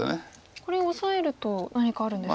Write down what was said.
これオサえると何かあるんですか？